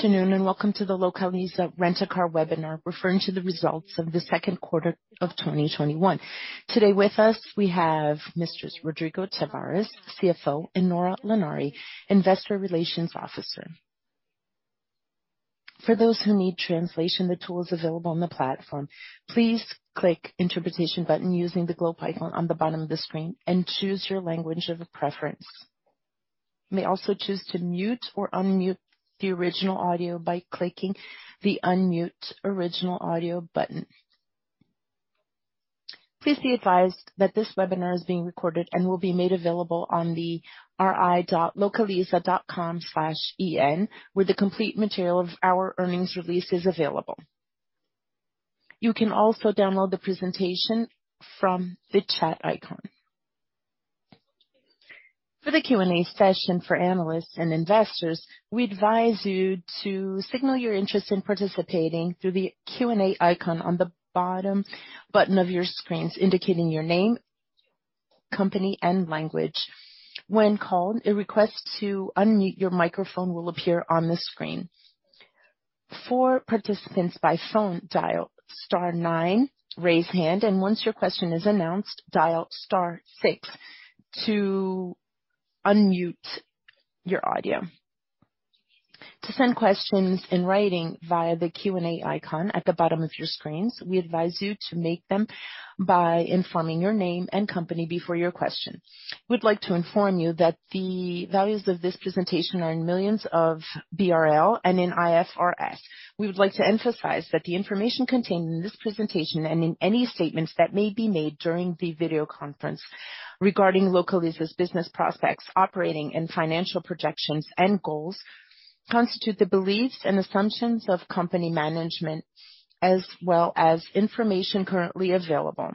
Good afternoon, and welcome to the Localiza Rent a Car webinar referring to the results of the second quarter of 2021. Today with us, we have Mr. Rodrigo Tavares, CFO, and Nora Lanari, Investor Relations Officer. For those who need translation, the tool is available on the platform. Please click interpretation button using the globe icon on the bottom of the screen and choose your language of preference. You may also choose to mute or unmute the original audio by clicking the unmute original audio button. Please be advised that this webinar is being recorded and will be made available on the ri.localiza.com/en, where the complete material of our earnings release is available. You can also download the presentation from the chat icon. For the Q&A session for analysts and investors, we advise you to signal your interest in participating through the Q&A icon on the bottom button of your screens, indicating your name, company, and language. When called, a request to unmute your microphone will appear on the screen. For participants by phone, dial star 9, raise hand, and once your question is announced, dial star six to unmute your audio. To send questions in writing via the Q&A icon at the bottom of your screens, we advise you to make them by informing your name and company before your question. We'd like to inform you that the values of this presentation are in millions of BRL and in IFRS. We would like to emphasize that the information contained in this presentation and in any statements that may be made during the video conference regarding Localiza's business prospects, operating and financial projections and goals constitute the beliefs and assumptions of company management as well as information currently available.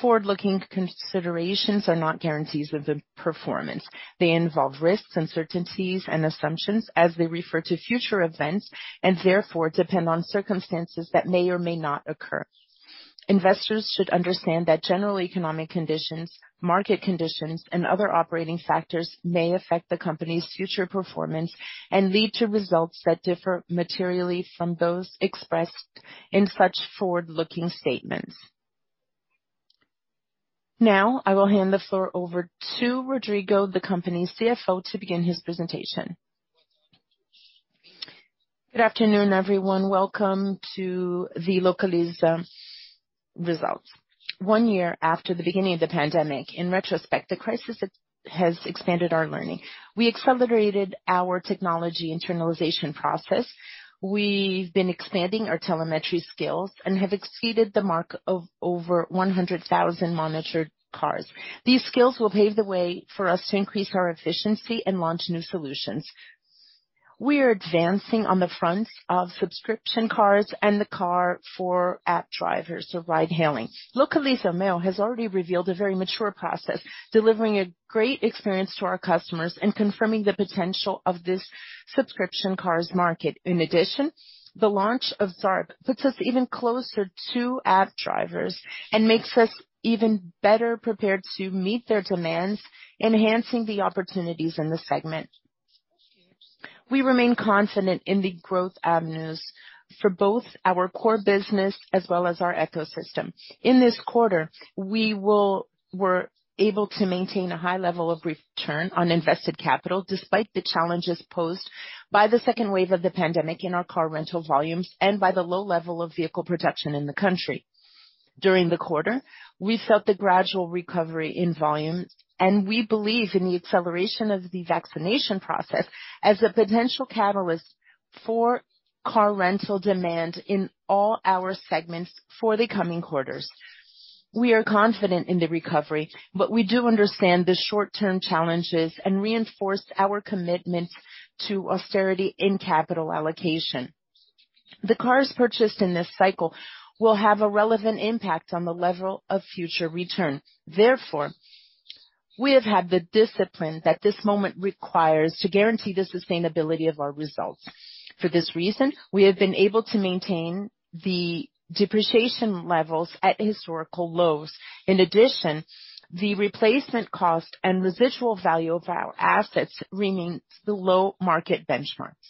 Forward-looking considerations are not guarantees of the performance. They involve risks, uncertainties, and assumptions as they refer to future events, and therefore depend on circumstances that may or may not occur. Investors should understand that general economic conditions, market conditions, and other operating factors may affect the company's future performance and lead to results that differ materially from those expressed in such forward-looking statements. Now, I will hand the floor over to Rodrigo, the company's CFO, to begin his presentation. Good afternoon, everyone. Welcome to the Localiza results. One year after the beginning of the pandemic, in retrospect, the crisis has expanded our learning. We accelerated our technology internalization process. We've been expanding our telemetry skills and have exceeded the mark of over 100,000 monitored cars. These skills will pave the way for us to increase our efficiency and launch new solutions. We are advancing on the fronts of subscription cars and the car for app drivers of ride-hailing. Localiza Meoo has already revealed a very mature process, delivering a great experience to our customers and confirming the potential of this subscription cars market. In addition, the launch of Zarp puts us even closer to app drivers and makes us even better prepared to meet their demands, enhancing the opportunities in the segment. We remain confident in the growth avenues for both our core business as well as our ecosystem. In this quarter, we were able to maintain a high level of return on invested capital despite the challenges posed by the second wave of the pandemic in our car rental volumes and by the low level of vehicle production in the country. During the quarter, we felt the gradual recovery in volume, and we believe in the acceleration of the vaccination process as a potential catalyst for car rental demand in all our segments for the coming quarters. We are confident in the recovery, but we do understand the short-term challenges and reinforce our commitment to austerity in capital allocation. The cars purchased in this cycle will have a relevant impact on the level of future return. Therefore, we have had the discipline that this moment requires to guarantee the sustainability of our results. For this reason, we have been able to maintain the depreciation levels at historical lows. In addition, the replacement cost and residual value of our assets remains below market benchmarks.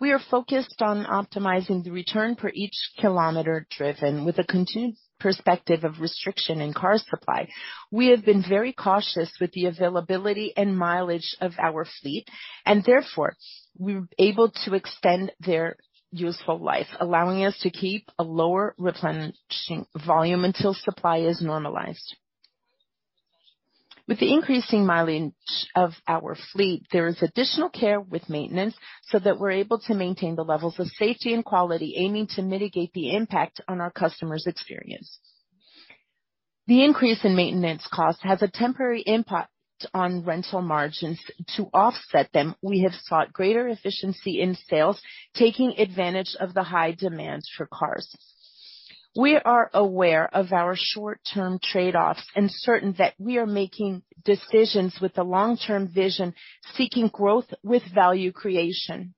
We are focused on optimizing the return per each kilometer driven with a continued perspective of restriction in car supply. We have been very cautious with the availability and mileage of our fleet, and therefore, we were able to extend their useful life, allowing us to keep a lower replenishing volume until supply is normalized. With the increasing mileage of our fleet, there is additional care with maintenance so that we're able to maintain the levels of safety and quality, aiming to mitigate the impact on our customers' experience. The increase in maintenance cost has a temporary impact on rental margins. To offset them, we have sought greater efficiency in sales, taking advantage of the high demands for cars. We are aware of our short-term trade-offs and certain that we are making decisions with the long-term vision, seeking growth with value creation.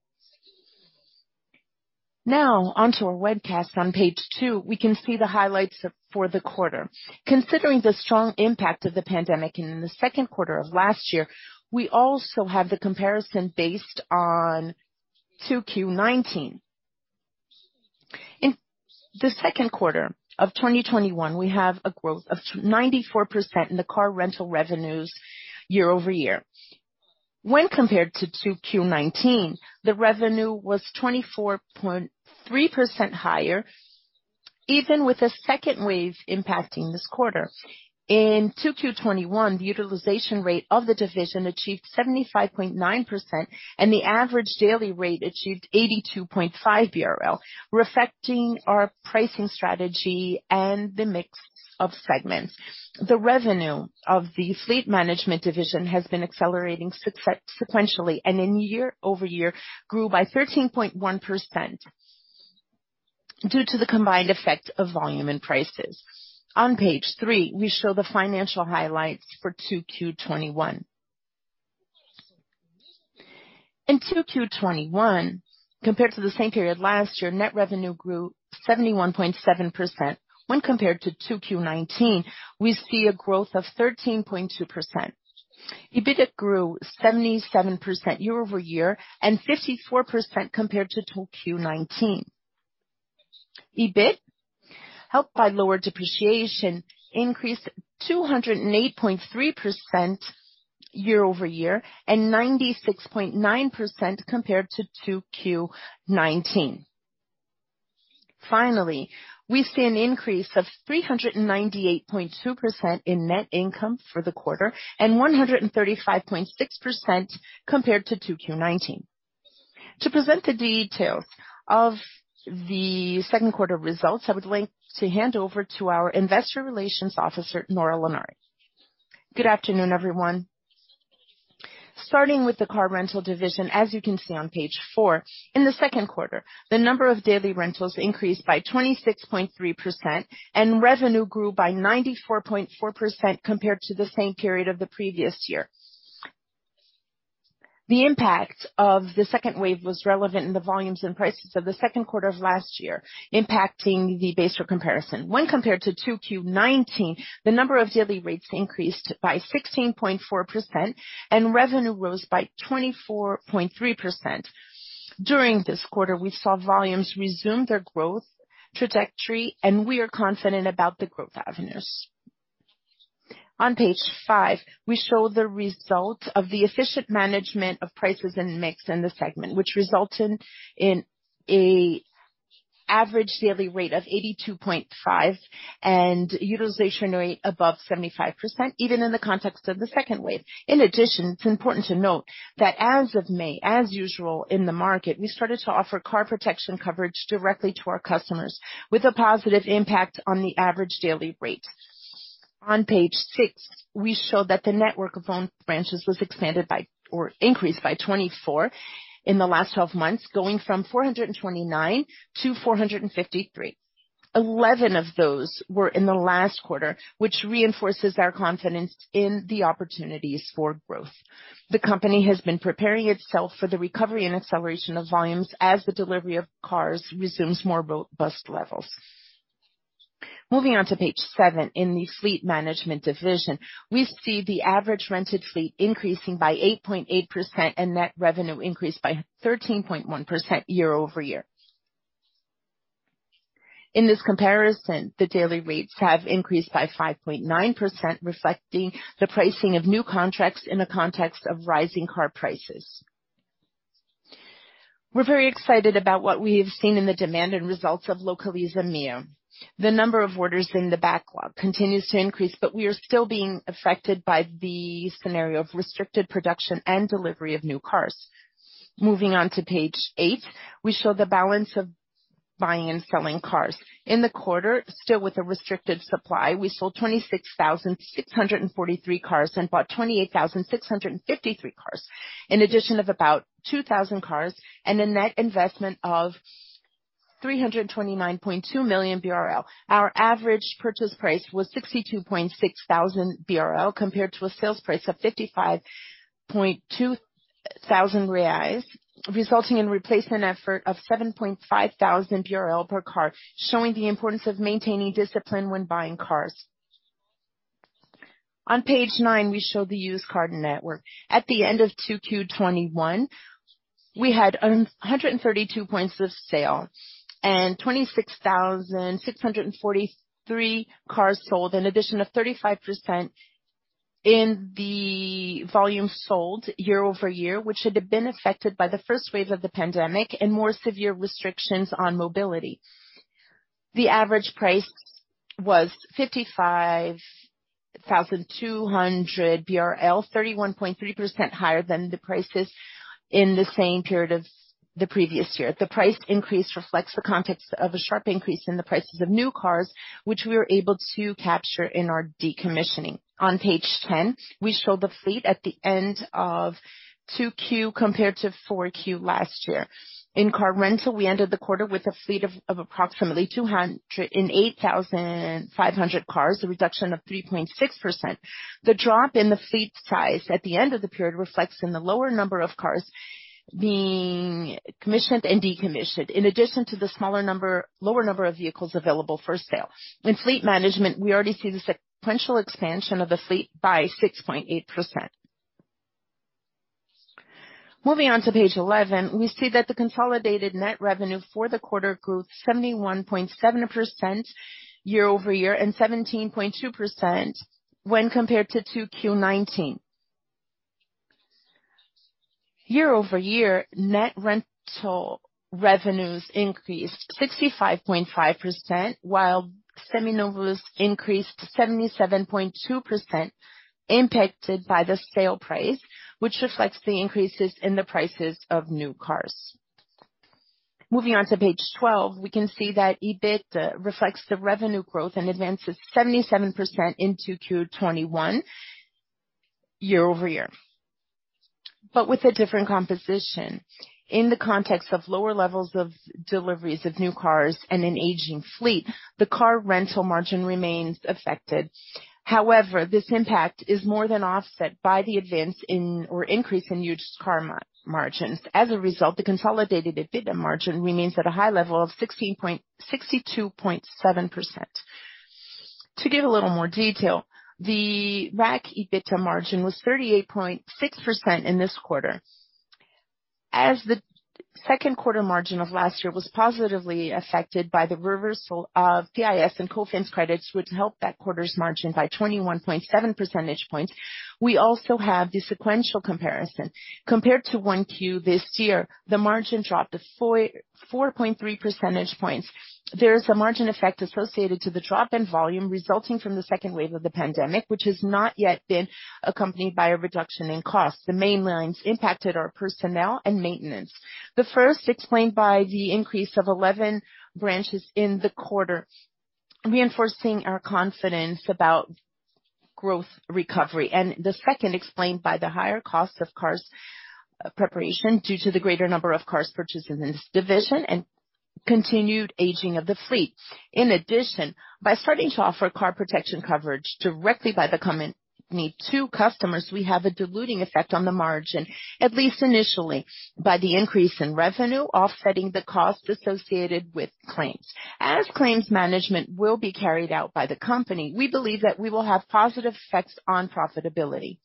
Now, onto our webcast. On Page 2, we can see the highlights for the quarter. Considering the strong impact of the pandemic in the second quarter of last year, we also have the comparison based on 2Q 2019. In the second quarter of 2021, we have a growth of 94% in the car rental revenues year-over-year. When compared to 2Q19, the revenue was 24.3% higher, even with the second wave impacting this quarter. In 2Q 2021, the utilization rate of the division achieved 75.9%, and the average daily rate achieved 82.5 BRL, reflecting our pricing strategy and the mix of segments. The revenue of the Fleet Management division has been accelerating sequentially, and in year-over-year, grew by 13.1% due to the combined effect of volume and prices. On Page 3, we show the financial highlights for 2Q 2021. In 2Q 2021, compared to the same period last year, net revenue grew 71.7%. When compared to 2Q19, we see a growth of 13.2%. EBITDA grew 77% year-over-year and 54% compared to 2Q 2019. EBIT, helped by lower depreciation, increased 208.3% year-over-year and 96.9% compared to 2Q 2019. Finally, we see an increase of 398.2% in net income for the quarter and 135.6% compared to 2Q 2019. To present the details of the second quarter results, I would like to hand over to our Investor Relations Officer, Nora Lanari. Good afternoon, everyone. Starting with the Car Rental division, as you can see on Page 4, in the second quarter, the number of daily rentals increased by 26.3% and revenue grew by 94.4% compared to the same period of the previous year. The impact of the second wave was relevant in the volumes and prices of the second quarter of last year, impacting the base for comparison. When compared to 2Q19, the number of daily rates increased by 16.4% and revenue rose by 24.3%. During this quarter, we saw volumes resume their growth trajectory, and we are confident about the growth avenues. On Page 5, we show the result of the efficient management of prices and mix in the segment, which resulted in an average daily rate of 82.5 and utilization rate above 75%, even in the context of the second wave. In addition, it's important to note that as of May, as usual in the market, we started to offer car protection coverage directly to our customers with a positive impact on the average daily rate. On Page 6, we show that the network of owned branches was expanded by or increased by 24 in the last 12 months, going from 429 to 453. 11 of those were in the last quarter, which reinforces our confidence in the opportunities for growth. The company has been preparing itself for the recovery and acceleration of volumes as the delivery of cars resumes more robust levels. Moving on to Page 7, in the Fleet Management division, we see the average rented fleet increasing by 8.8% and net revenue increased by 13.1% year-over-year. In this comparison, the daily rates have increased by 5.9%, reflecting the pricing of new contracts in the context of rising car prices. We're very excited about what we have seen in the demand and results of Localiza Meoo. The number of orders in the backlog continues to increase, but we are still being affected by the scenario of restricted production and delivery of new cars. Moving on to Page 8, we show the balance of buying and selling cars. In the quarter, still with a restricted supply, we sold 26,643 cars and bought 28,653 cars, an addition of about 2,000 cars and a net investment of 329.2 million BRL. Our average purchase price was 62.600 BRL compared to a sales price of 55.200 reais resulting in replacement effort of 7.5000 BRL per car, showing the importance of maintaining discipline when buying cars. On Page 9, we show the Used Cars network. At the end of 2Q 2021, we had 132 points of sale and 26,643 cars sold, an addition of 35% in the volume sold year-over-year, which had been affected by the first wave of the pandemic and more severe restrictions on mobility. The average price was 55,200 BRL, 31.3% higher than the prices in the same period of the previous year. The price increase reflects the context of a sharp increase in the prices of new cars, which we were able to capture in our decommissioning. On Page 10, we show the fleet at the end of 2Q compared to 4Q last year. In Car Rental, we ended the quarter with a fleet of approximately 208,500 cars, a reduction of 3.6%. The drop in the fleet size at the end of the period reflects in the lower number of cars being commissioned and decommissioned, in addition to the lower number of vehicles available for sale. In fleet management, we already see the sequential expansion of the fleet by 6.8%. Moving on to page 11, we see that the consolidated net revenue for the quarter grew 71.7% year-over-year and 17.2% when compared to 2Q19. Year-over-year, net rental revenues increased 65.5%, while Seminovos increased 77.2%, impacted by the sale price, which reflects the increases in the prices of new cars. Moving on to page 12, we can see that EBITDA reflects the revenue growth and advances 77% into 2Q 2021 year-over-year. With a different composition. In the context of lower levels of deliveries of new cars and an aging fleet, the car rental margin remains affected. This impact is more than offset by the advance in or increase in Used Car margins. The consolidated EBITDA margin remains at a high level of 62.7%. To give a little more detail, the RAC EBITDA margin was 38.6% in this quarter. The second quarter margin of last year was positively affected by the reversal of PIS and COFINS credits, which helped that quarter's margin by 21.7 percentage points. We also have the sequential comparison. Compared to 1Q this year, the margin dropped to 4.3 percentage points. There is a margin effect associated to the drop in volume resulting from the second wave of the pandemic, which has not yet been accompanied by a reduction in cost. The main lines impacted are personnel and maintenance. The first explained by the increase of 11 branches in the quarter, reinforcing our confidence about growth recovery. The second explained by the higher cost of cars preparation due to the greater number of cars purchased in this division and continued aging of the fleet. In addition, by starting to offer car protection coverage directly by the company to customers, we have a diluting effect on the margin, at least initially, by the increase in revenue offsetting the cost associated with claims. As claims management will be carried out by the company, we believe that we will have positive effects on profitability.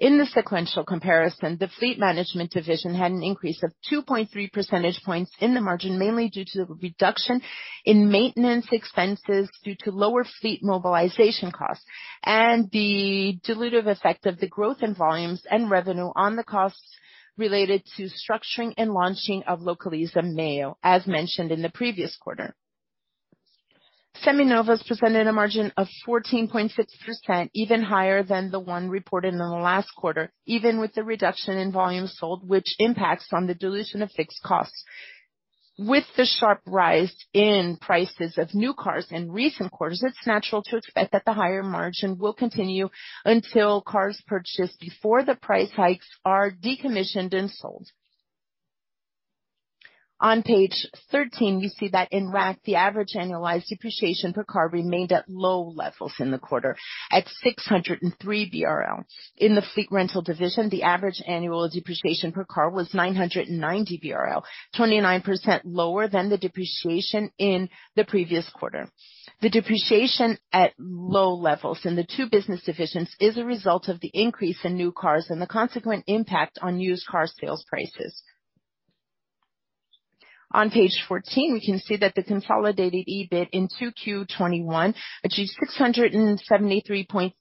In the sequential comparison, the fleet management division had an increase of 2.3 percentage points in the margin, mainly due to the reduction in maintenance expenses due to lower fleet mobilization costs and the dilutive effect of the growth in volumes and revenue on the costs related to structuring and launching of Localiza Meoo, as mentioned in the previous quarter. Seminovos presented a margin of 14.6%, even higher than the one reported in the last quarter, even with the reduction in volume sold, which impacts on the dilution of fixed costs. With the sharp rise in prices of new cars in recent quarters, it's natural to expect that the higher margin will continue until cars purchased before the price hikes are decommissioned and sold. On page 13, you see that in RAC, the average annualized depreciation per car remained at low levels in the quarter at 603 BRL. In the fleet rental division, the average annual depreciation per car was 990 BRL, 29% lower than the depreciation in the previous quarter. The depreciation at low levels in the two business divisions is a result of the increase in new cars and the consequent impact on used car sales prices. On page 14, we can see that the consolidated EBIT in 2Q21 achieved 673.3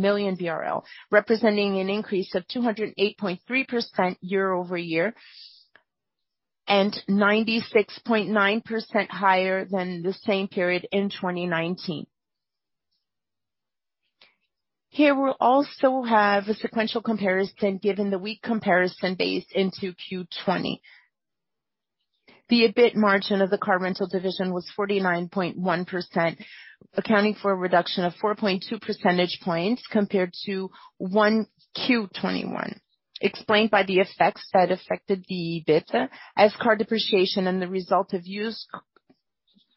million BRL, representing an increase of 208.3% year-over-year and 96.9% higher than the same period in 2019. Here, we'll also have a sequential comparison given the weak comparison based into 2Q 2020. The EBIT margin of the Car Rental division was 49.1%, accounting for a reduction of 4.2 percentage points compared to 1Q 2021, explained by the effects that affected the EBITDA, as car depreciation and the result of used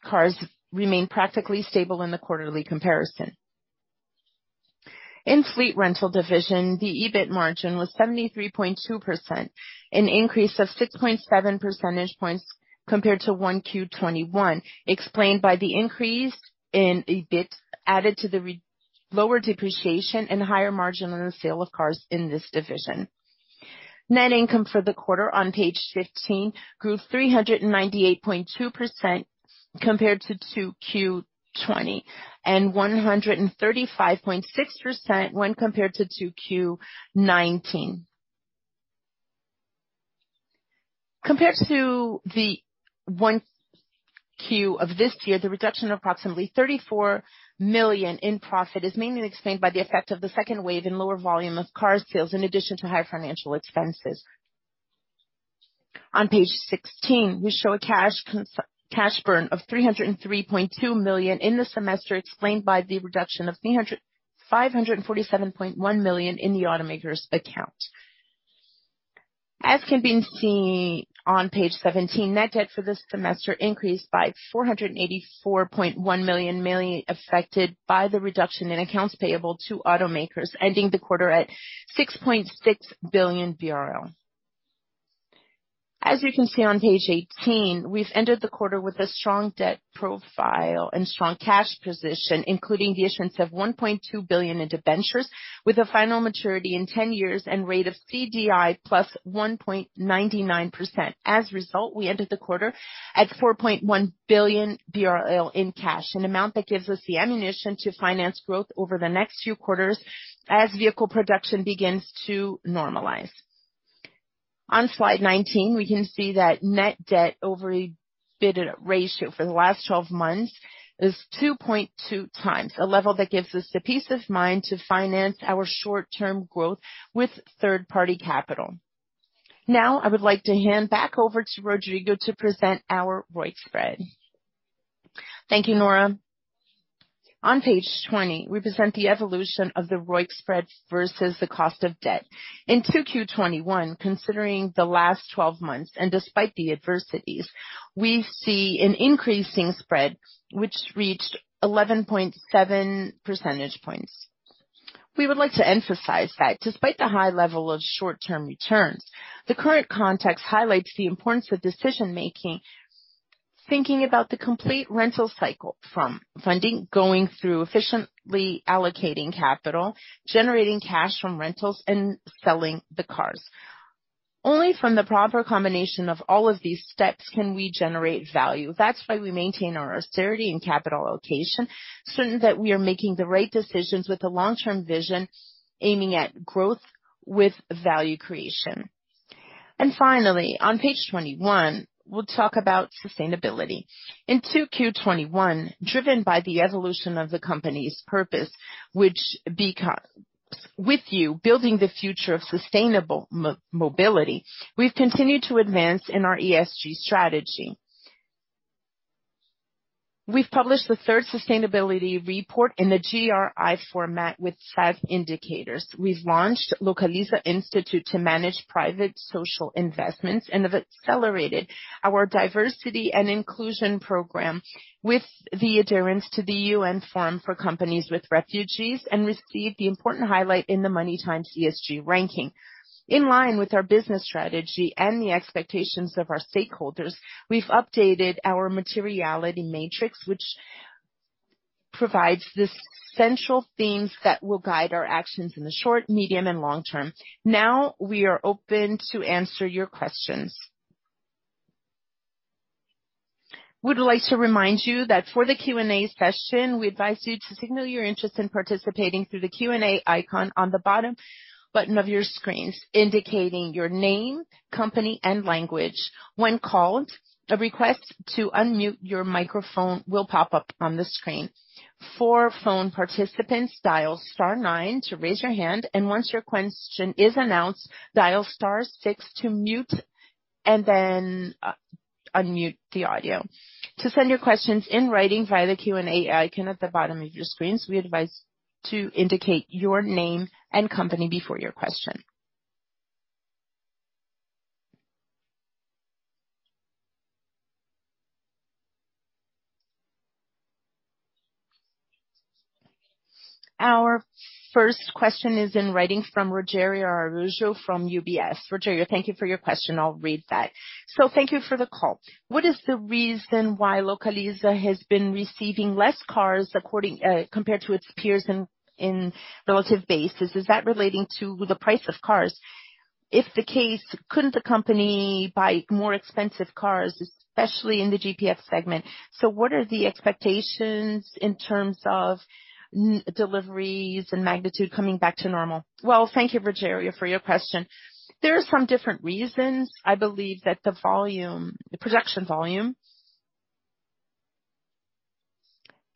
cars remain practically stable in the quarterly comparison. In fleet rental division, the EBIT margin was 73.2%, an increase of 6.7 percentage points compared to 1Q 2021, explained by the increase in EBIT added to the lower depreciation and higher margin on the sale of cars in this division. Net income for the quarter on page 15 grew 398.2% compared to 2Q 2020, and 135.6% when compared to 2Q 2019. Compared to the 1Q of this year, the reduction of approximately 34 million in profit is mainly explained by the effect of the second wave and lower volume of cars sales, in addition to higher financial expenses. On page 16, we show a cash burn of 303.2 million in the semester, explained by the reduction of 547.1 million in the automaker's account. As can be seen on page 17, net debt for this semester increased by 484.1 million, mainly affected by the reduction in accounts payable to automakers, ending the quarter at 6.6 billion BRL. As you can see on page 18, we've ended the quarter with a strong debt profile and strong cash position, including the issuance of 1.2 billion in debentures with a final maturity in 10 years and rate of CDI +1.99%. As a result, we ended the quarter at 4.1 billion BRL in cash, an amount that gives us the ammunition to finance growth over the next few quarters as vehicle production begins to normalize. On slide 19, we can see that net debt over EBITDA ratio for the last 12 months is 2.2x, a level that gives us the peace of mind to finance our short-term growth with third-party capital. I would like to hand back over to Rodrigo to present our ROIC spread. Thank you, Nora. On page 20, we present the evolution of the ROIC spread versus the cost of debt. In 2Q 2021, considering the last 12 months and despite the adversities, we see an increasing spread which reached 11.7 percentage points. We would like to emphasize that despite the high level of short-term returns, the current context highlights the importance of decision-making, thinking about the complete rental cycle from funding, going through efficiently allocating capital, generating cash from rentals, and selling the cars. Only from the proper combination of all of these steps can we generate value. That's why we maintain our austerity in capital allocation, certain that we are making the right decisions with a long-term vision, aiming at growth with value creation. Finally, on page 21, we'll talk about sustainability. In 2Q 2021, driven by the evolution of the company's purpose, which, With You: Building the Future of Sustainable Mobility, we've continued to advance in our ESG strategy. We've published the third sustainability report in the GRI format with SASB indicators. We've launched Localiza Institute to manage private social investments and have accelerated our diversity and inclusion program with the adherence to the UN Forum for Companies with Refugees and received the important highlight in the Money Times ESG ranking. In line with our business strategy and the expectations of our stakeholders, we've updated our materiality matrix, which provides the central themes that will guide our actions in the short, medium, and long term. We are open to answer your questions. Would like to remind you that for the Q&A session, we advise you to signal your interest in participating through the Q&A icon on the bottom button of your screens, indicating your name, company, and language. When called, a request to unmute your microphone will pop up on the screen. For phone participants, dial star 9 to raise your hand, and once your question is announced, dial star 6 to mute and then unmute the audio. To send your questions in writing via the Q&A icon at the bottom of your screens, we advise to indicate your name and company before your question. Our first question is in writing from Rogério Araújo from UBS. Rogério, thank you for your question. I'll read that. Thank you for the call. What is the reason why Localiza has been receiving less cars compared to its peers in relative basis? Is that relating to the price of cars? If the case, couldn't the company buy more expensive cars, especially in the GPF segment? What are the expectations in terms of deliveries and magnitude coming back to normal? Well, thank you, Rogério, for your question. There's some different reasons. I believe that the production volume,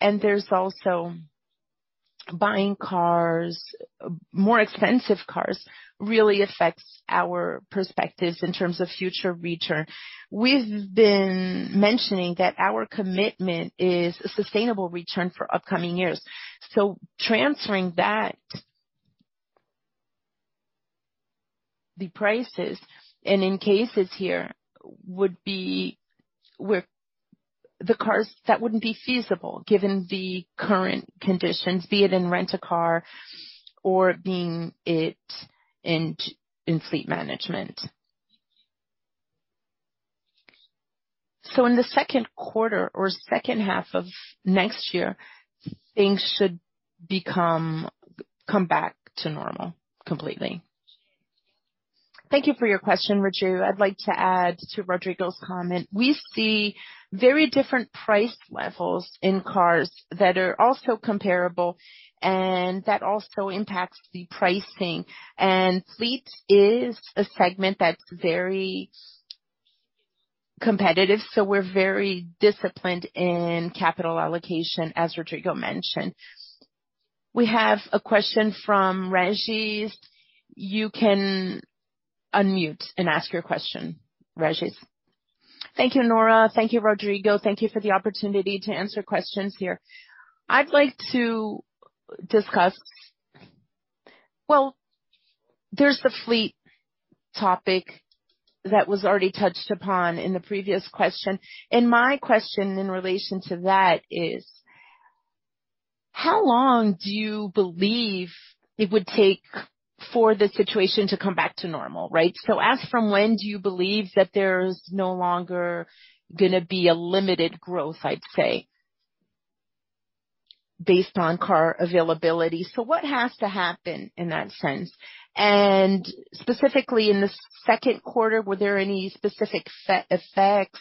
and there's also buying cars, more expensive cars really affects our perspectives in terms of future return. We've been mentioning that our commitment is a sustainable return for upcoming years. Transferring that the prices, and in cases here, the cars, that wouldn't be feasible given the current conditions, be it in Rent-A-Car or being it in fleet management. In the second quarter or second half of next year, things should come back to normal completely. Thank you for your question, Rogério. I'd like to add to Rodrigo's comment. We see very different price levels in cars that are also comparable. That also impacts the pricing. Fleet is a segment that's very competitive, so we're very disciplined in capital allocation, as Rodrigo mentioned. We have a question from Regis. You can unmute and ask your question, Regis. Thank you, Nora. Thank you, Rodrigo. Thank you for the opportunity to answer questions here. I'd like to discuss. Well, there's the fleet topic that was already touched upon in the previous question. My question in relation to that is. How long do you believe it would take for the situation to come back to normal, right? As from when do you believe that there's no longer going to be a limited growth, I'd say, based on car availability. What has to happen in that sense? Specifically in the second quarter, were there any specific effects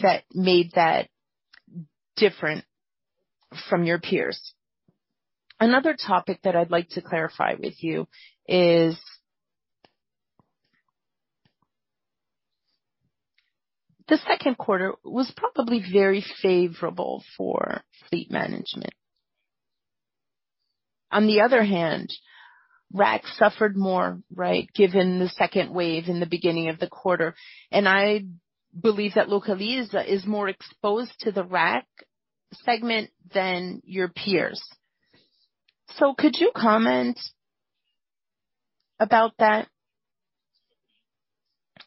that made that different from your peers? Another topic that I'd like to clarify with you is, the second quarter was probably very favorable for Fleet Management. On the other hand, RAC suffered more, right? Given the second wave in the beginning of the quarter. I believe that Localiza is more exposed to the RAC segment than your peers. Could you comment about that?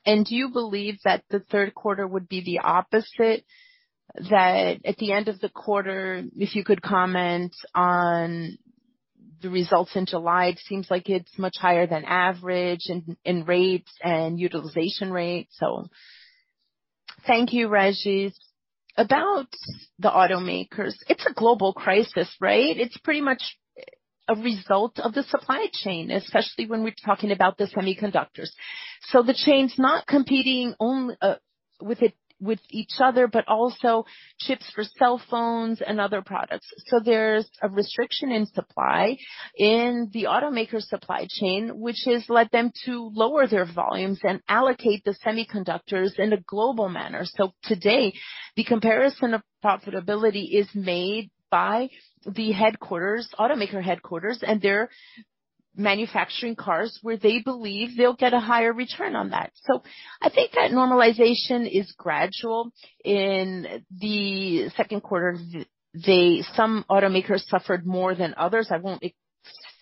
Do you believe that the third quarter would be the opposite? That at the end of the quarter, if you could comment on the results in July, it seems like it's much higher than average in rates and utilization rates. Thank you, Regis. About the automakers, it's a global crisis, right? It's pretty much a result of the supply chain, especially when we're talking about the semiconductors. The chain's not competing with each other, but also chips for cell phones and other products. There's a restriction in supply in the automaker supply chain, which has led them to lower their volumes and allocate the semiconductors in a global manner. Today, the comparison of profitability is made by the automaker headquarters, and they're manufacturing cars where they believe they'll get a higher return on that. I think that normalization is gradual. In the second quarter, some automakers suffered more than others. I won't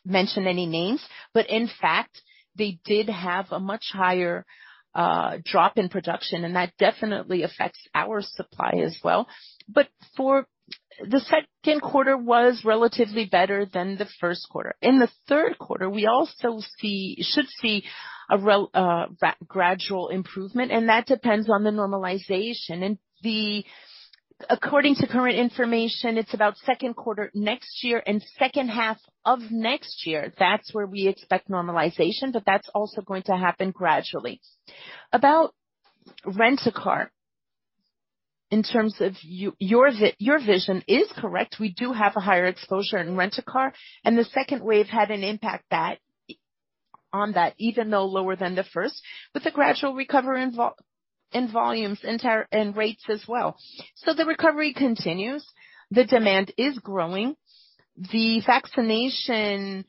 mention any names, but in fact, they did have a much higher drop in production, and that definitely affects our supply as well. The second quarter was relatively better than the first quarter. In the third quarter, we should see a gradual improvement, and that depends on the normalization. According to current information, it's about 2nd quarter next year and 2nd half of next year. That's where we expect normalization, but that's also going to happen gradually. About Rent-A-Car, your vision is correct. We do have a higher exposure in Rent-A-Car, and the 2nd wave had an impact on that, even though lower than the 1st, with a gradual recovery in volumes and rates as well. The recovery continues. The demand is growing. The vaccination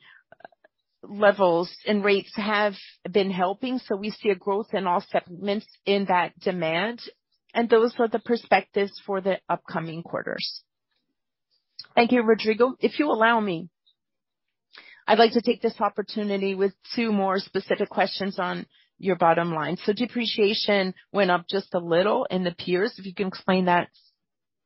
levels and rates have been helping, so we see a growth in all segments in that demand, and those are the perspectives for the upcoming quarters. Thank you, Rodrigo. If you allow me, I'd like to take this opportunity with 2 more specific questions on your bottom line. Depreciation went up just a little in the peers, if you can explain that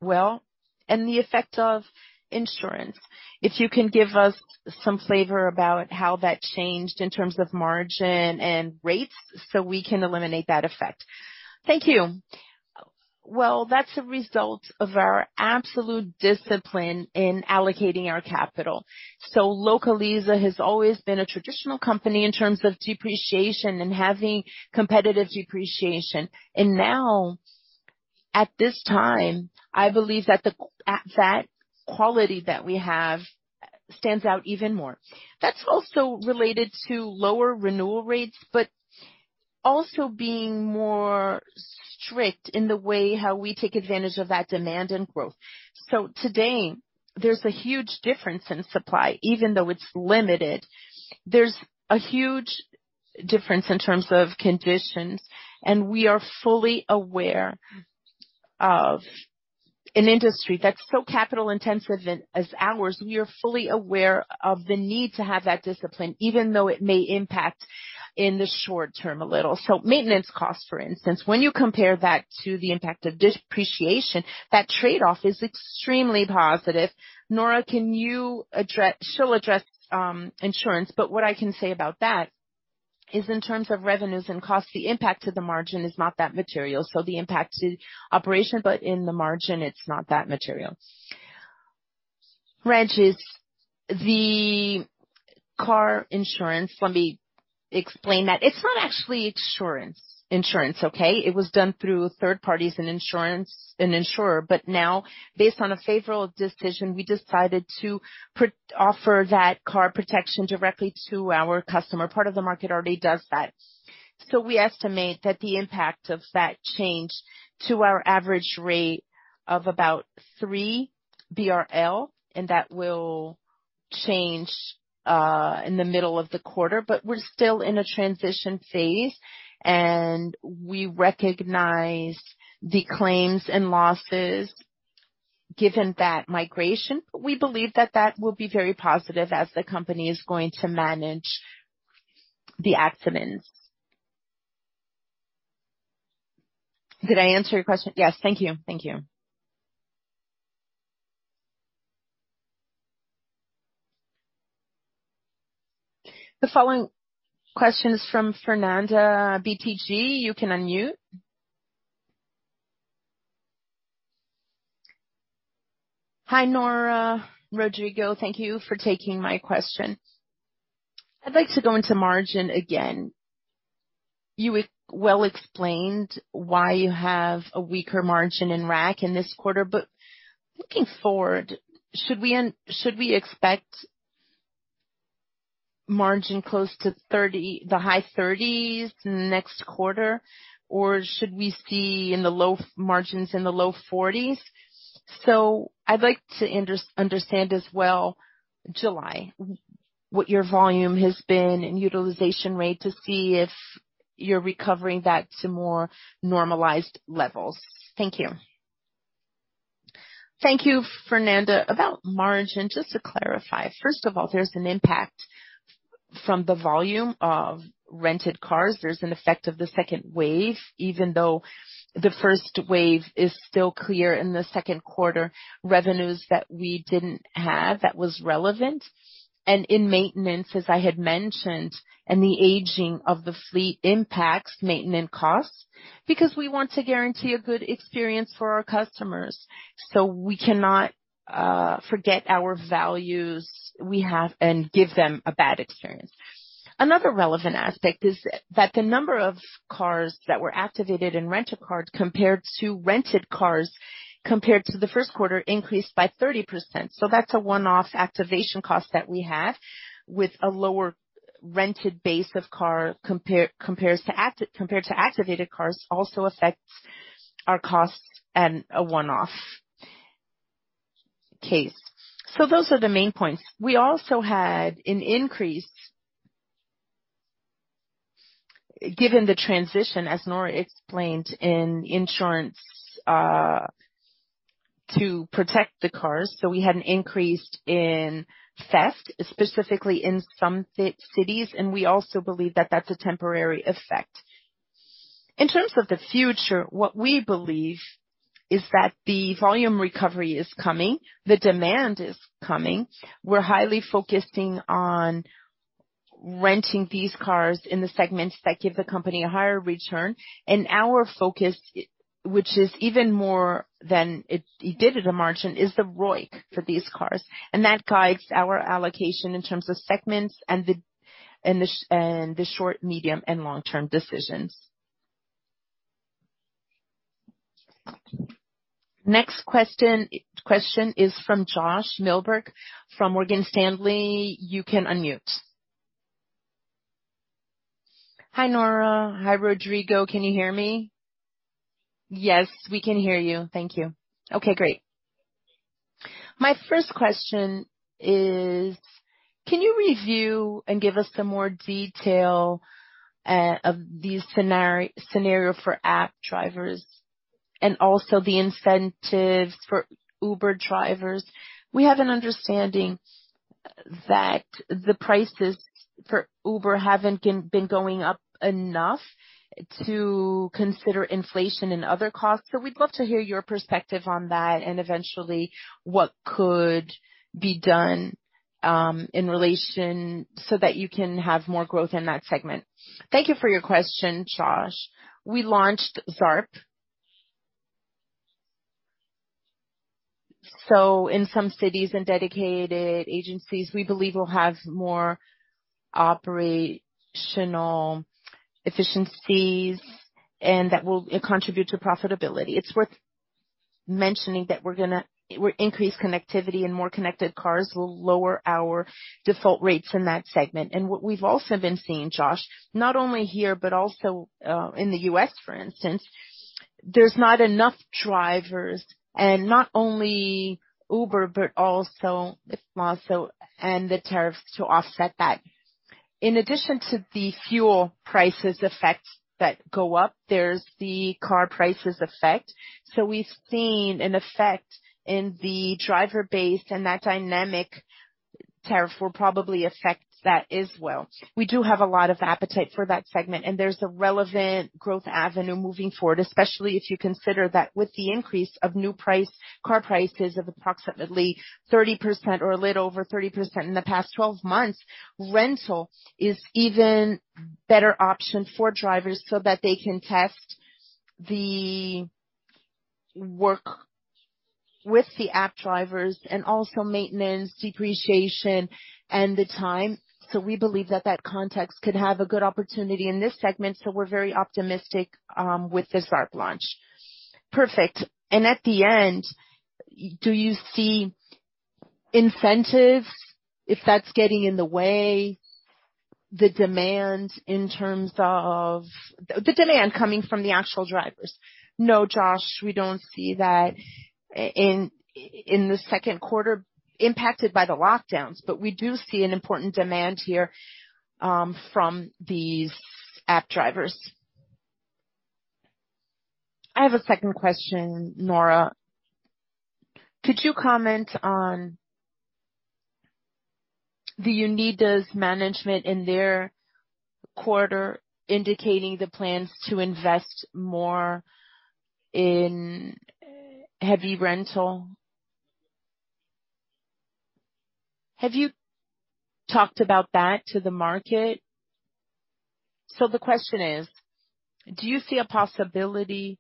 well and the effect of insurance. If you can give us some flavor about how that changed in terms of margin and rates so we can eliminate that effect. Thank you. That's a result of our absolute discipline in allocating our capital. Localiza has always been a traditional company in terms of depreciation and having competitive depreciation. Now, at this time, I believe that quality that we have stands out even more. That's also related to lower renewal rates, but also being more strict in the way how we take advantage of that demand and growth. Today, there's a huge difference in supply, even though it's limited. There's a huge difference in terms of conditions, and we are fully aware of an industry that's so capital intensive as ours. We are fully aware of the need to have that discipline, even though it may impact in the short term a little. Maintenance costs, for instance, when you compare that to the impact of depreciation, that trade-off is extremely positive. Nora, she'll address insurance, but what I can say about that is in terms of revenues and costs, the impact to the margin is not that material. The impact to operation, but in the margin, it's not that material. Regis, the car insurance, let me explain that. It's not actually insurance, okay? It was done through third parties and insurer. Now, based on a favorable decision, we decided to offer that car protection directly to our customer. Part of the market already does that. We estimate that the impact of that change to our average rate of about 3 BRL, and that will change in the middle of the quarter. We're still in a transition phase, and we recognize the claims and losses given that migration. We believe that that will be very positive as the company is going to manage the accidents. Did I answer your question? Yes. Thank you. The following question is from Fernanda, BTG. You can unmute. Hi, Nora, Rodrigo. Thank you for taking my question. I'd like to go into margin again. You well explained why you have a weaker margin in RAC in this quarter, but looking forward, should we expect margin close to the high 30s next quarter, or should we see margins in the low 40s? I'd like to understand as well July, what your volume has been and utilization rate to see if you're recovering that to more normalized levels. Thank you. Thank you, Fernanda. About margin, just to clarify, first of all, there's an impact from the volume of rented cars. There's an effect of the second wave, even though the first wave is still clear in the second quarter revenues that we didn't have, that was relevant. In maintenance, as I had mentioned, and the aging of the fleet impacts maintenance costs because we want to guarantee a good experience for our customers. We cannot forget our values we have and give them a bad experience. Another relevant aspect is that the number of cars that were activated in Rent-A-Car compared to rented cars compared to the first quarter increased by 30%. That's a one-off activation cost that we have with a lower rented base of car compared to activated cars also affects our costs and a one-off case. Those are the main points. We also had an increase, given the transition, as Nora explained, in insurance, to protect the cars. We had an increase in theft, specifically in some cities, and we also believe that that's a temporary effect. In terms of the future, what we believe is that the volume recovery is coming, the demand is coming. We're highly focusing on renting these cars in the segments that give the company a higher return. Our focus, which is even more than it did at the margin, is the ROIC for these cars. That guides our allocation in terms of segments and the short, medium, and long-term decisions. Next question is from Josh Milberg from Morgan Stanley. You can unmute. Hi, Nora. Hi, Rodrigo. Can you hear me? Yes, we can hear you. Thank you. Okay, great. My first question is, can you review and give us some more detail of the scenario for app drivers and also the incentives for Uber drivers? We have an understanding that the prices for Uber haven't been going up enough to consider inflation and other costs, we'd love to hear your perspective on that and eventually what could be done in relation so that you can have more growth in that segment. Thank you for your question, Josh. We launched Zarp. In some cities and dedicated agencies, we believe we'll have more operational efficiencies and that will contribute to profitability. It's worth mentioning that increased connectivity and more connected cars will lower our default rates in that segment. What we've also been seeing, Josh, not only here but also in the U.S., for instance, there's not enough drivers, and not only Uber, but also Lyft and the tariffs to offset that. In addition to the fuel prices effects that go up, there's the car prices effect. We've seen an effect in the driver base and that dynamic tariff will probably affect that as well. We do have a lot of appetite for that segment, and there's a relevant growth avenue moving forward, especially if you consider that with the increase of new car prices of approximately 30% or a little over 30% in the past 12 months, rental is even better option for drivers so that they can test the work with the app drivers and also maintenance, depreciation, and the time. We believe that that context could have a good opportunity in this segment, so we're very optimistic with the Zarp launch. Perfect. At the end, do you see incentives, if that's getting in the way, the demand coming from the actual drivers? No, Josh, we don't see that in the second quarter impacted by the lockdowns, but we do see an important demand here from these app drivers. I have a second question, Nora. Could you comment on the Unidas management in their quarter indicating the plans to invest more in heavy rental. Have you talked about that to the market? The question is: Do you see a possibility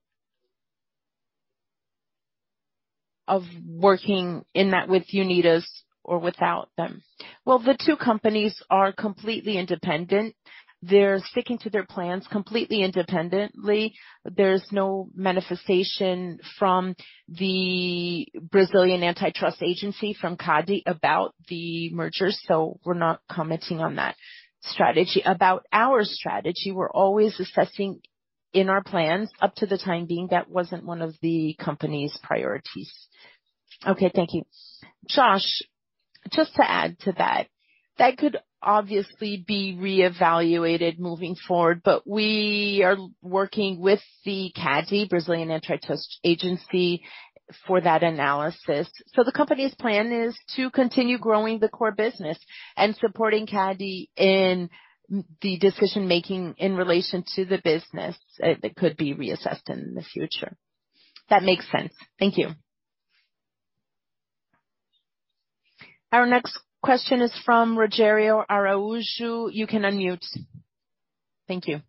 of working in that with Unidas or without them? Well, the two companies are completely independent. They're sticking to their plans completely independently. There's no manifestation from the Brazilian antitrust agency, from CADE, about the merger. We're not commenting on that strategy. About our strategy, we're always assessing in our plans. Up to the time being, that wasn't one of the company's priorities. Okay. Thank you. Josh, just to add to that could obviously be reevaluated moving forward, we are working with the CADE, Brazilian antitrust agency, for that analysis. The company's plan is to continue growing the core business and supporting CADE in the decision-making in relation to the business that could be reassessed in the future. That makes sense. Thank you. Our next question is from Rogério Araújo. You can unmute. Thank you.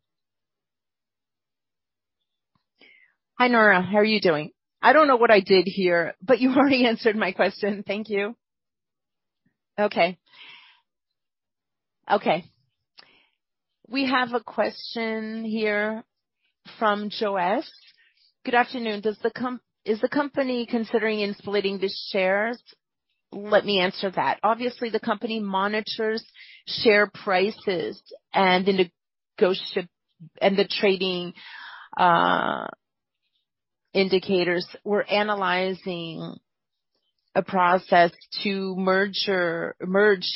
Hi, Nora. How are you doing? I don't know what I did here, you already answered my question. Thank you. Okay. We have a question here from Josh. Good afternoon. Is the company considering in splitting the shares? Let me answer that. Obviously, the company monitors share prices and the trading indicators. We're analyzing a process to merge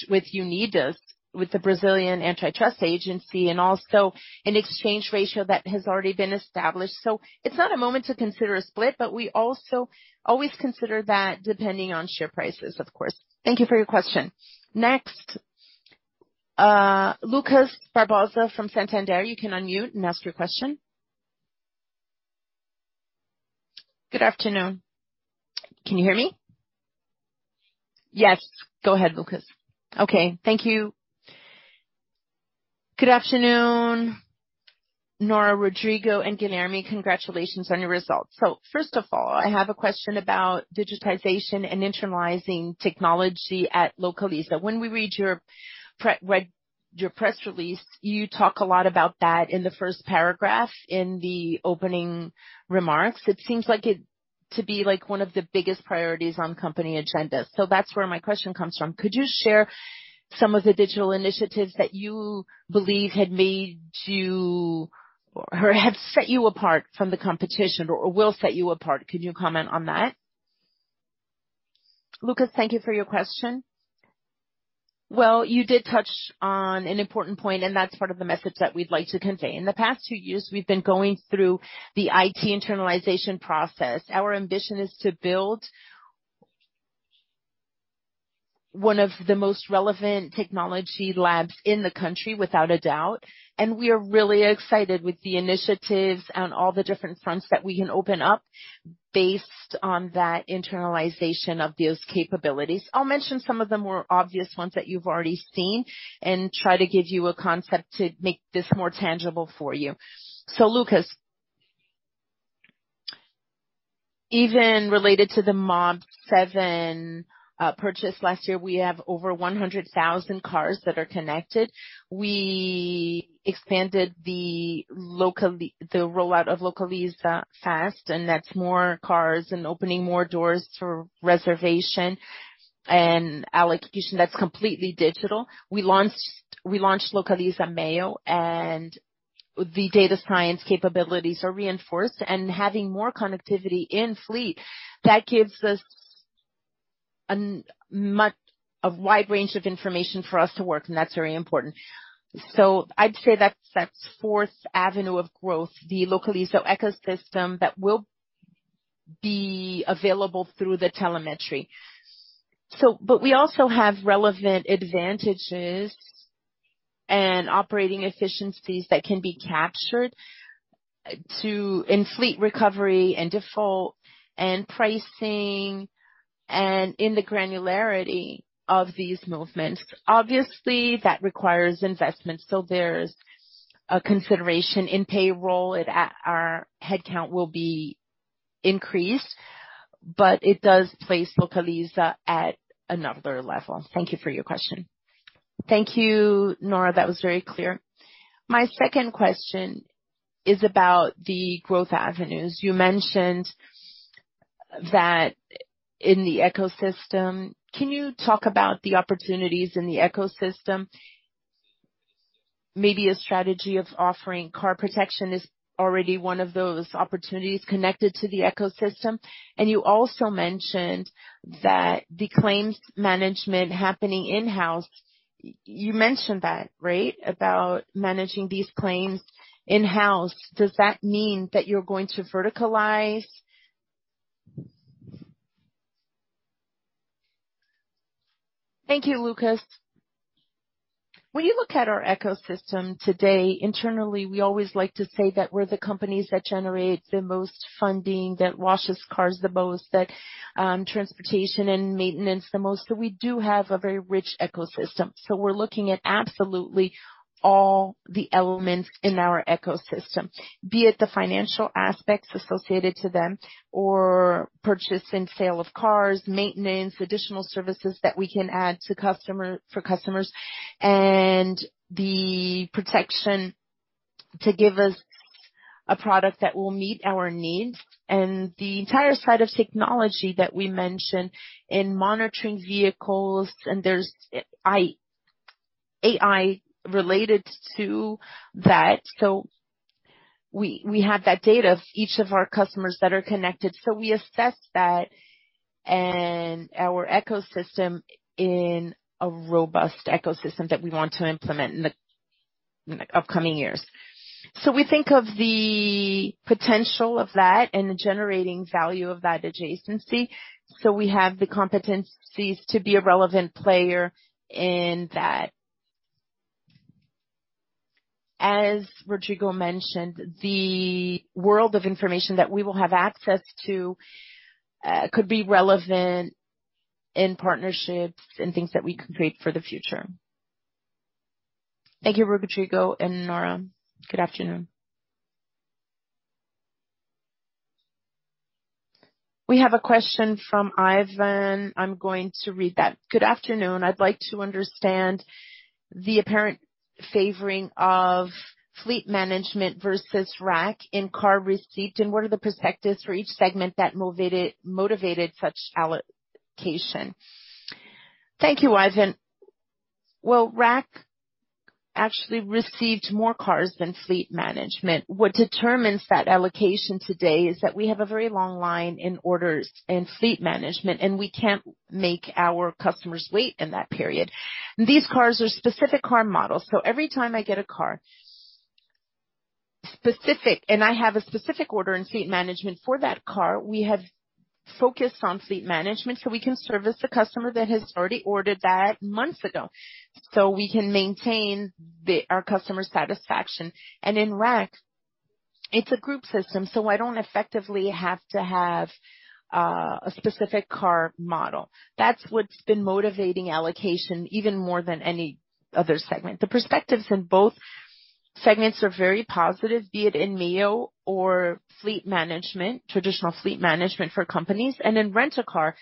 with Unidas, with the Brazilian Antitrust Agency, and also an exchange ratio that has already been established. It's not a moment to consider a split, but we also always consider that depending on share prices, of course. Thank you for your question. Next, Lucas Barbosa from Santander. You can unmute and ask your question. Good afternoon. Can you hear me? Yes. Go ahead, Lucas. Okay. Thank you. Good afternoon, Nora, Rodrigo and Guilherme. Congratulations on your results. First of all, I have a question about digitization and internalizing technology at Localiza. When we read your press release, you talk a lot about that in the first paragraph, in the opening remarks. It seems to be one of the biggest priorities on company agenda. That's where my question comes from. Could you share some of the digital initiatives that you believe have set you apart from the competition or will set you apart? Could you comment on that? Lucas, thank you for your question. Well, you did touch on an important point, and that's part of the message that we'd like to convey. In the past two years, we've been going through the IT internalization process. Our ambition is to build one of the most relevant technology labs in the country, without a doubt, and we are really excited with the initiatives and all the different fronts that we can open up based on that internalization of those capabilities. I'll mention some of the more obvious ones that you've already seen and try to give you a concept to make this more tangible for you. Lucas, even related to the Mobi7 purchase last year, we have over 100,000 cars that are connected. We expanded the rollout of Localiza Fast, and that's more cars and opening more doors for reservation and allocation that's completely digital. We launched Localiza Meoo, and the data science capabilities are reinforced and having more connectivity in fleet. That gives us a wide range of information for us to work, and that's very important. I'd say that's 4th avenue of growth, the Localiza ecosystem that will be available through the telemetry. We also have relevant advantages and operating efficiencies that can be captured in fleet recovery and default and pricing and in the granularity of these movements. Obviously, that requires investment, so there's a consideration in payroll. Our head count will be increased, but it does place Localiza at another level. Thank you for your question. Thank you, Nora. That was very clear. My second question is about the growth avenues. You mentioned that in the ecosystem. Can you talk about the opportunities in the ecosystem? Maybe a strategy of offering car protection is already one of those opportunities connected to the ecosystem. You also mentioned that the claims management happening in-house. You mentioned that, right? About managing these claims in-house. Does that mean that you're going to verticalize? Thank you, Lucas. When you look at our ecosystem today, internally, we always like to say that we're the companies that generate the most funding, that washes cars the most, that transportation and maintenance the most. We do have a very rich ecosystem. We're looking at absolutely all the elements in our ecosystem, be it the financial aspects associated to them, or purchase and sale of cars, maintenance, additional services that we can add for customers, and the protection to give us a product that will meet our needs. The entire side of technology that we mentioned in monitoring vehicles, and there's AI related to that. We have that data of each of our customers that are connected. We assess that and our ecosystem in a robust ecosystem that we want to implement in the upcoming years. We think of the potential of that and the generating value of that adjacency. We have the competencies to be a relevant player in that. As Rodrigo mentioned, the world of information that we will have access to could be relevant in partnerships and things that we could create for the future. Thank you, Rodrigo and Nora. Good afternoon. We have a question from Ivan. I'm going to read that. Good afternoon. I'd like to understand the apparent favoring of Fleet Management versus RAC in car received, and what are the perspectives for each segment that motivated such allocation? Thank you, Ivan. Well, RAC actually received more cars than Fleet Management. What determines that allocation today is that we have a very long line in orders in Fleet Management, and we can't make our customers wait in that period. These cars are specific car models, so every time I get a car, specific, and I have a specific order in Fleet Management for that car, we have focused on Fleet Management, so we can service the customer that has already ordered that months ago. We can maintain our customer satisfaction. In RAC, it's a group system, so I don't effectively have to have a specific car model. That's what's been motivating allocation even more than any other segment. The perspectives in both segments are very positive, be it in Meoo or Fleet Management, traditional Fleet Management for companies. In Rent-A-Car,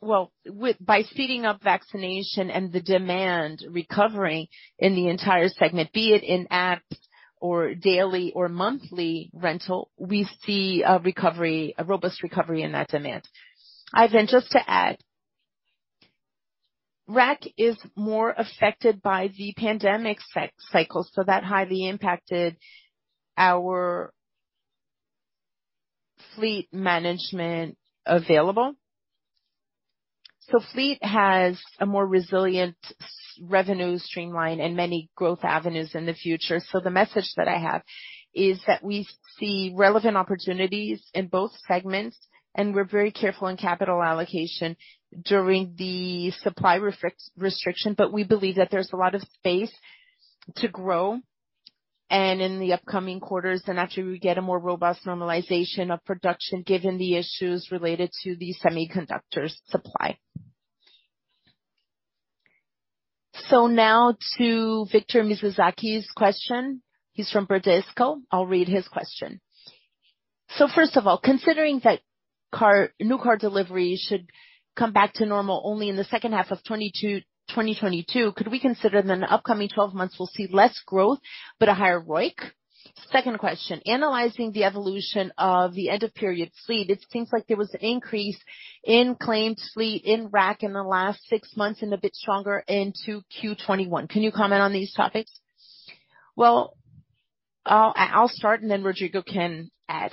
Well, by speeding up vaccination and the demand recovering in the entire segment, be it in app or daily or monthly rental, we see a robust recovery in that demand. Ivan, just to add, RAC is more affected by the pandemic cycle, that highly impacted our fleet management available. Fleet has a more resilient revenue stream line and many growth avenues in the future. The message that I have is that we see relevant opportunities in both segments, and we're very careful in capital allocation during the supply restriction. We believe that there's a lot of space to grow, and in the upcoming quarters, and after we get a more robust normalization of production, given the issues related to the semiconductors supply. Now to Victor Mizusaki's question. He's from Bradesco. I'll read his question. So first of all, considering that new car delivery should come back to normal only in the second half of 2022, could we consider that in the upcoming 12 months we'll see less growth but a higher ROIC? Second question, analyzing the evolution of the end-of-period fleet, it seems like there was an increase in claimed fleet in RAC in the last 6 months and a bit stronger into 2Q 2021. Can you comment on these topics? Well, I'll start and then Rodrigo can add.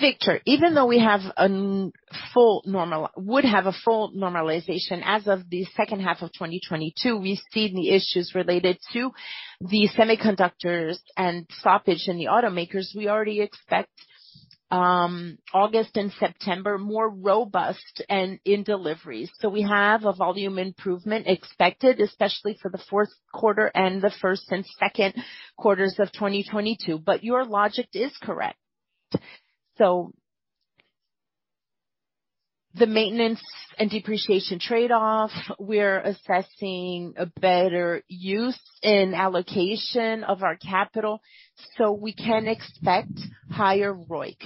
Victor, even though we would have a full normalization as of the second half of 2022, we've seen the issues related to the semiconductors and stoppage in the automakers. We already expect August and September more robust and in deliveries. We have a volume improvement expected, especially for the fourth quarter and the first and second quarters of 2022. Your logic is correct. The maintenance and depreciation trade-off, we're assessing a better use in allocation of our capital. We can expect higher ROIC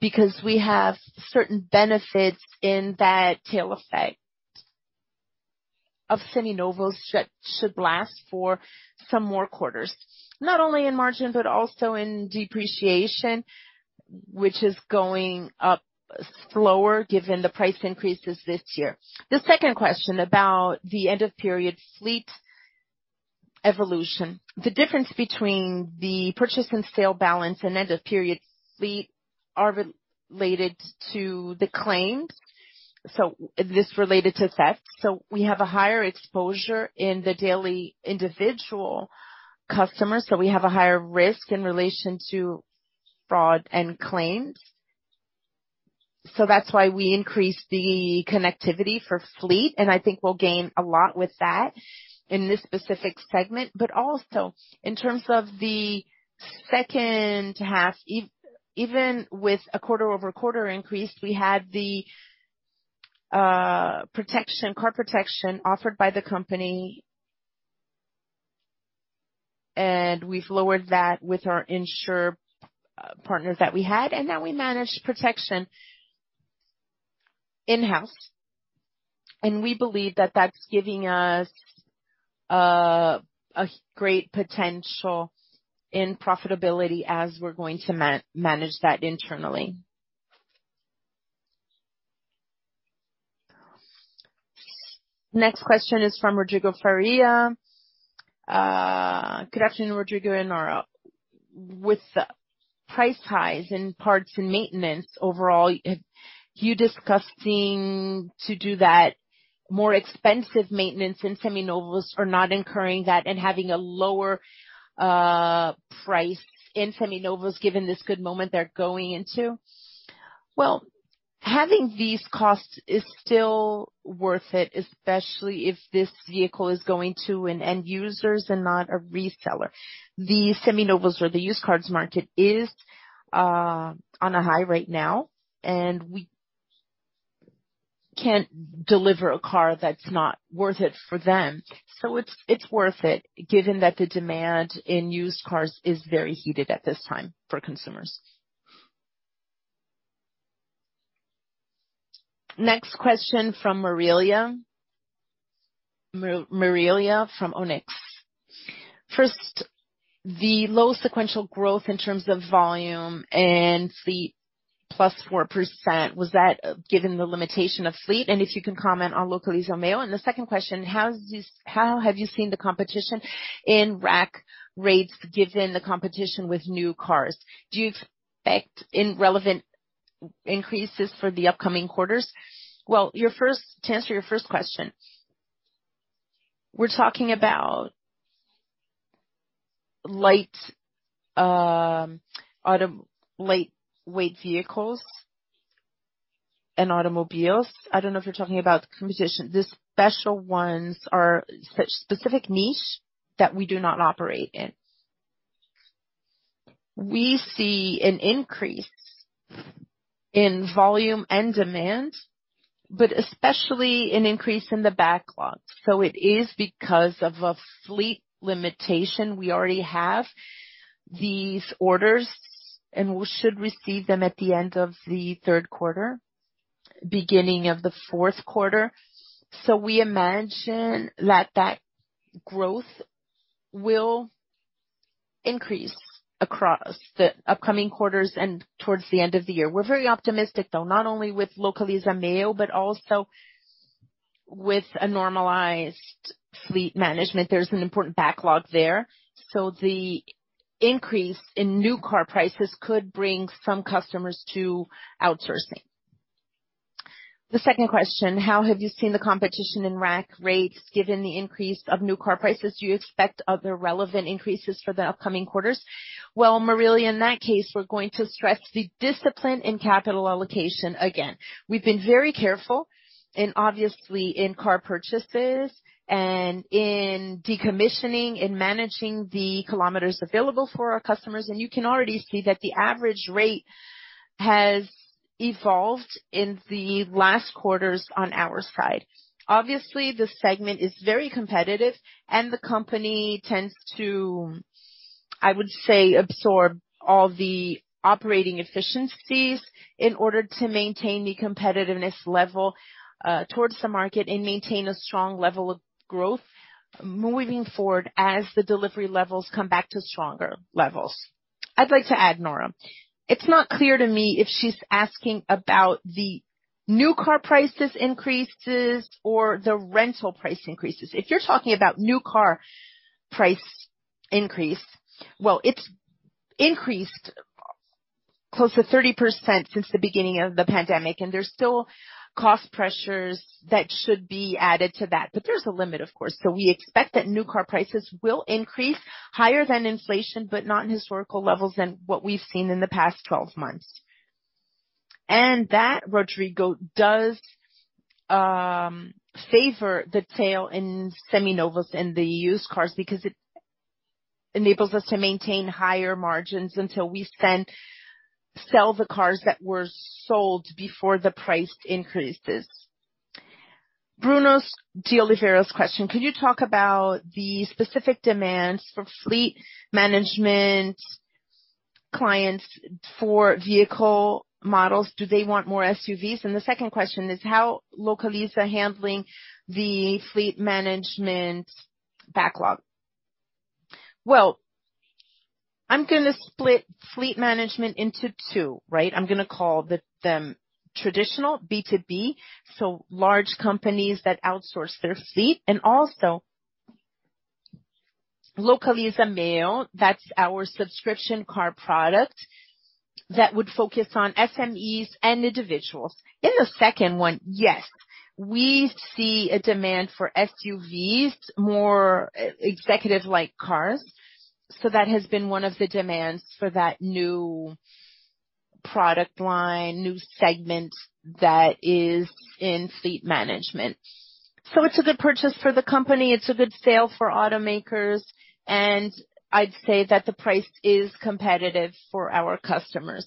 because we have certain benefits in that tail effect of Seminovos that should last for some more quarters, not only in margin, but also in depreciation, which is going up slower given the price increases this year. The second question about the end-of-period fleet evolution. The difference between the purchase and sale balance and end-of-period fleet are related to the claims. This is related to theft. We have a higher exposure in the daily individual customers, so we have a higher risk in relation to fraud and claims. That's why we increased the connectivity for fleet, and I think we'll gain a lot with that in this specific segment. Also, in terms of the second half, even with a quarter-over-quarter increase, we had the car protection offered by the company, and we've lowered that with our insurer partners that we had, and now we manage protection in-house. We believe that that's giving us a great potential in profitability as we're going to manage that internally. Next question is from Rodrigo Faria. Good afternoon, Rodrigo and Nora. With the price highs in parts and maintenance overall, have you discussed seeing to do that more expensive maintenance in Seminovos or not incurring that and having a lower price in Seminovos given this good moment they're going into? Well, having these costs is still worth it, especially if this vehicle is going to an end user and not a reseller. The Seminovos or the used cars market is on a high right now, we can't deliver a car that's not worth it for them. It's worth it, given that the demand in used cars is very heated at this time for consumers. Next question from Marilia from Onyx. First, the low sequential growth in terms of volume and fleet +4%, was that given the limitation of fleet? If you can comment on Localiza Meoo. The second question, how have you seen the competition in RAC rates given the competition with new cars? Do you expect relevant increases for the upcoming quarters? To answer your first question, we're talking about lightweight vehicles and automobiles. I don't know if you're talking about the competition. The special ones are such specific niche that we do not operate in. We see an increase in volume and demand, but especially an increase in the backlog. It is because of a fleet limitation. We already have these orders, and we should receive them at the end of the third quarter, beginning of the fourth quarter. We imagine that that growth will increase across the upcoming quarters and towards the end of the year. We're very optimistic, though, not only with Localiza Meoo, but also with a normalized Fleet Management. There's an important backlog there. The increase in new car prices could bring some customers to outsourcing. The second question, how have you seen the competition in RAC rates given the increase of new car prices? Do you expect other relevant increases for the upcoming quarters? Marilia, in that case, we're going to stress the discipline in capital allocation again. We've been very careful, obviously, in car purchases and in decommissioning and managing the kilometers available for our customers, and you can already see that the average rate has evolved in the last quarters on our side. Obviously, this segment is very competitive, and the company tends to, I would say, absorb all the operating efficiencies in order to maintain the competitiveness level towards the market and maintain a strong level of growth moving forward as the delivery levels come back to stronger levels. I'd like to add, Nora. It's not clear to me if she's asking about the new car prices increases or the rental price increases. If you're talking about new car price increase, well, it's increased close to 30% since the beginning of the pandemic, and there's still cost pressures that should be added to that. But there's a limit, of course. We expect that new car prices will increase higher than inflation, but not in historical levels than what we've seen in the past 12 months. That, Rodrigo, does favor the sale in Seminovos and the used cars because it enables us to maintain higher margins until we then sell the cars that were sold before the price increases. Bruno de Oliveira's question, could you talk about the specific demands for fleet management clients for vehicle models? Do they want more SUVs? The second question is, how Localiza handling the fleet management backlog? I'm gonna split Fleet Management into two. I'm gonna call them traditional B2B, so large companies that outsource their fleet, and also Localiza Meoo, that's our subscription car product that would focus on SMEs and individuals. In the second one, yes. We see a demand for SUVs, more executive-like cars. That has been one of the demands for that new product line, new segment that is in Fleet Management. It's a good purchase for the company, it's a good sale for automakers, and I'd say that the price is competitive for our customers.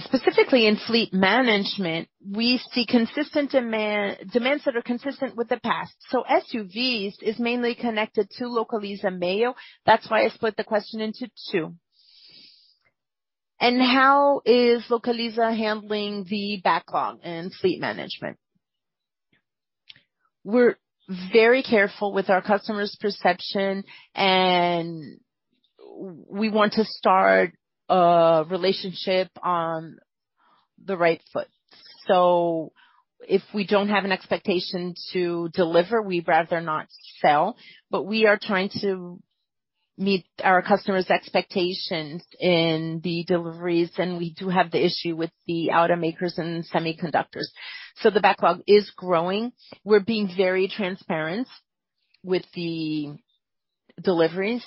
Specifically in Fleet Management, we see demands that are consistent with the past. SUVs is mainly connected to Localiza Meoo. That's why I split the question into two. How is Localiza handling the backlog in Fleet Management? We're very careful with our customers' perception, and we want to start a relationship on the right foot. If we don't have an expectation to deliver, we'd rather not sell. We are trying to meet our customers' expectations in the deliveries, and we do have the issue with the automakers and semiconductors. The backlog is growing. We're being very transparent with the deliveries.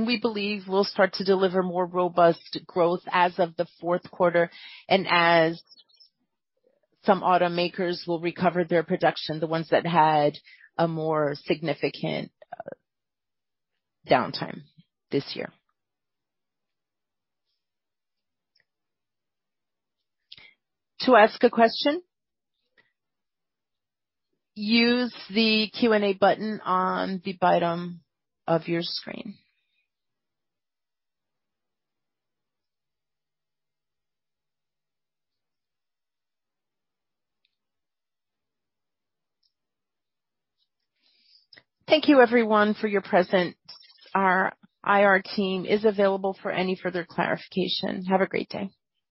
We believe we'll start to deliver more robust growth as of the fourth quarter, and as some automakers will recover their production, the ones that had a more significant downtime this year. Thank you everyone for your presence. Our IR team is available for any further clarification. Have a great day.